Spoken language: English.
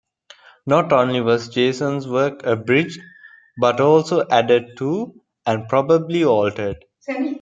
Not only was Jason's work abridged, but also added to, and probably altered.